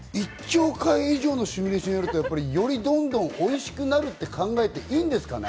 １兆回以上のシミュレーションをやると、よりどんどん美味しくなると考えていいんですかね？